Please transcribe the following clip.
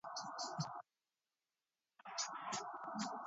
I am really proud of the lads.